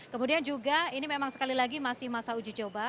kemudian juga ini memang sekali lagi masih masa uji coba